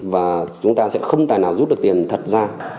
và chúng ta sẽ không tài nào rút được tiền thật ra